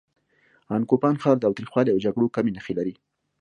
ان کوپان ښار تاوتریخوالي او جګړو کمې نښې لري.